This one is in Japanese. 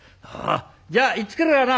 「じゃあ行ってくるからな」。